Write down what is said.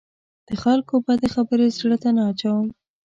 د خلکو بدې خبرې زړه ته نه اچوم.